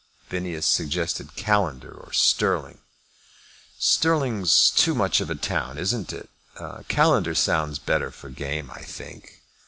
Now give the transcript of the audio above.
Phineas suggested Callender or Stirling. "Stirling's too much of a town, isn't it? Callender sounds better for game, I think."